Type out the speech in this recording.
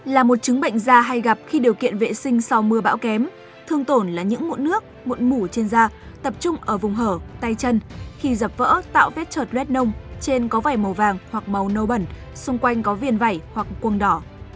là một chứng bệnh da hay gặp khi điều kiện vệ sinh sau mưa bão kém thương tổn là những mụn nước mụn mủ trên da tập trung ở vùng hở tay chân khi dập vỡ tạo vết trượt lét nông trên có vầy màu vàng hoặc màu nâu bẩn xung quanh có viên vẩy hoặc cuồng đỏ